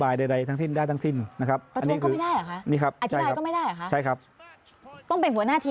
มารยาทเนี่ยโดยปกติแล้ว